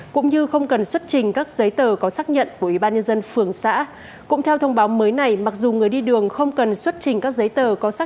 cũng như không cần xuất trình các giấy tờ có xác nhận của ubnd phường xã